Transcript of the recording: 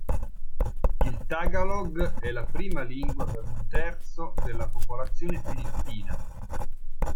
Il tagalog è la prima lingua per un terzo della popolazione filippina.